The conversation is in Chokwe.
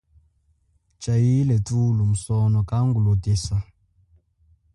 Chaile thulo musono kangu lotesa.